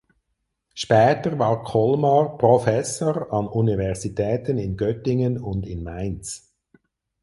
Später war Kolmar Professor an Universitäten in Göttingen und in Mainz.